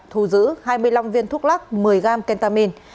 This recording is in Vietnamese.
thu giữ hai mươi năm viên thuốc lắc một mươi gram kentamin